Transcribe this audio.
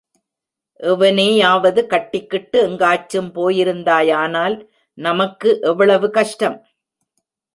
எவனேயாவது கட்டிக்கிட்டு எங்காச்சும் போயிருந்தாயானால் நமக்கு எவ்வளவு கஷ்டம்?